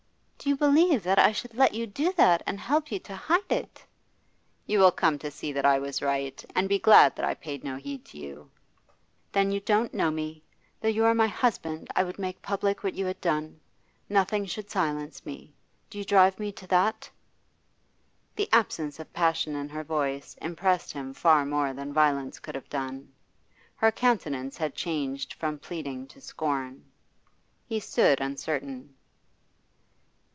'Do you believe that I should let you do that and help you to hide it?' 'You will come to see that I was right, and be glad that I paid no heed to you.' 'Then you don't know me. Though you are my husband I would make public what you had done. Nothing should silence me. Do you drive me to that?' The absence of passion in her voice impressed him far more than violence could have done. Her countenance had changed from pleading to scorn. He stood uncertain.